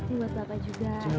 ini buat bapak juga